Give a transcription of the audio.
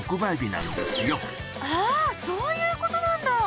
ああ、そういうことなんだ。